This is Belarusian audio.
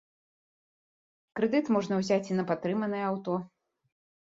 Крэдыт можна ўзяць і на патрыманае аўто.